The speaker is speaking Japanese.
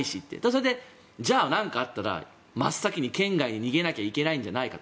それで、じゃあ何かあったら真っ先に県外に逃げなきゃいけないんじゃないか。